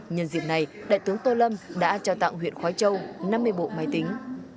nhân dịp này đại tướng tô lâm đã trao tặng huyện khói châu năm mươi bộ máy tính